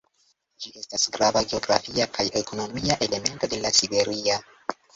Ĝi estas grava geografia kaj ekonomia elemento de La Siberia.